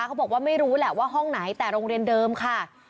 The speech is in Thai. เขาบอกว่าไม่รู้แหละว่าห้องไหนแต่โรงเรียนเดิมค่ะ